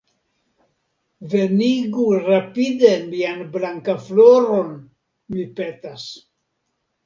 Venigu rapide mian Blankafloron, mi petas.